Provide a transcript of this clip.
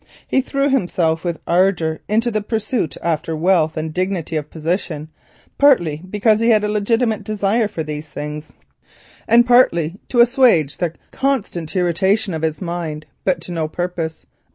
He threw himself with ardour into the pursuit after wealth and dignity of position, partly because he had a legitimate desire for these things, and partly to assuage the constant irritation of his mind, but to no purpose.